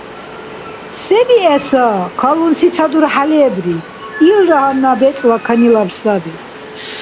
Се биэса, калунси ца дурхӀя лебри. Илра гьанна бецӀла канилаб саби.